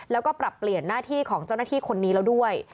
แล้วก็ปรับเปลี่ยนหน้าที่ของเจ้าหน้าที่คนนี้แล้วด้วย